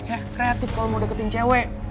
eh kreatif kalo mau deketin cewek